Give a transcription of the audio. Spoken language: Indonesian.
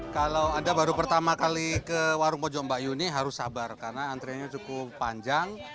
kalau anda baru pertama kali ke warung pojong bayuni harus sabar karena antrenya cukup panjang